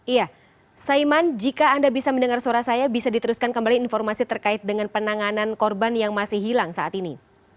iya saiman jika anda bisa mendengar suara saya bisa diteruskan kembali informasi terkait dengan penanganan korban yang masih hilang saat ini